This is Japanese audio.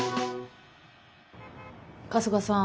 春日さん